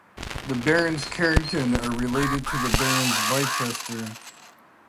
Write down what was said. The Barons Carrington are related to the Barons Bicester.